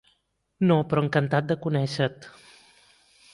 No, però encantat de conèixer-te.